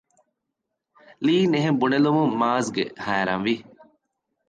ލީން އެހެން ބުނެލުމުން މާޒްގެ ހައިރާންވި